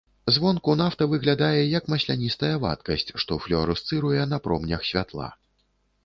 Звонку нафта выглядае як масляністая вадкасць, што флюарэсцыруе на промнях святла.